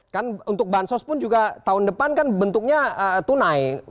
kan untuk bansos pun juga tahun depan kan bentuknya tunai